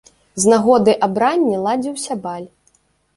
З нагоды абранні ладзіўся баль.